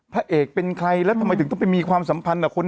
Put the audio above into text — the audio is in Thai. พระเอกเป็นใครแล้วทำไมถึงต้องไปมีความสัมพันธ์กับคน